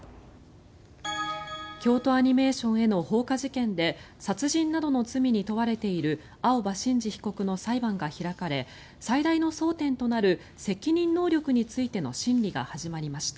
京都アニメーションへの放火事件で殺人などの罪に問われている青葉真司被告の裁判が開かれ最大の争点となる責任能力についての審理が始まりました。